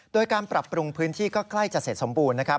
โดยการปรับปรุงพื้นที่ก็ใกล้จะเสร็จสมบูรณ์นะครับ